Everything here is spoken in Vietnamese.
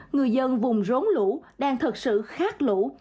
người dân vùng rốn lũ đang thực sự khát lũ